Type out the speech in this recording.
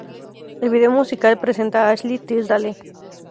El vídeo musical presenta a Ashley Tisdale.